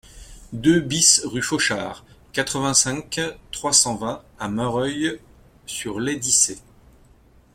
deux BIS rue Fauchard, quatre-vingt-cinq, trois cent vingt à Mareuil-sur-Lay-Dissais